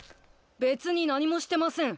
べつに何もしてません。